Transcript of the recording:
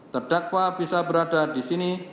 terdakwa bisa berada di sini